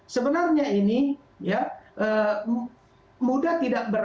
sebenarnya ini ya mudah tidak berhasil